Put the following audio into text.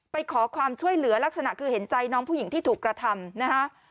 ไปขอความช่วยเหลือลักษณะคือเห็นใจน้องผู้หญิงที่ถูกกระทำนะฮะ